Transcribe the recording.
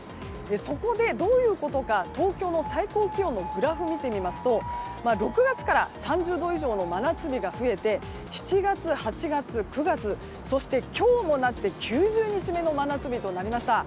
そこでどういうことか東京の最高気温のグラフを見ると６月から３０度以上の真夏日が増えて７月、８月、９月そして今日になって９０日目の真夏日となりました。